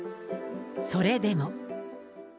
それでも。